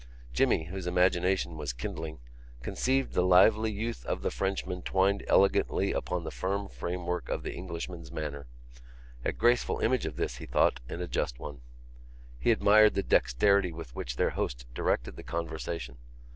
Jimmy, whose imagination was kindling, conceived the lively youth of the Frenchmen twined elegantly upon the firm framework of the Englishman's manner. A graceful image of his, he thought, and a just one. He admired the dexterity with which their host directed the conversation.